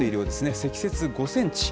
積雪５センチ。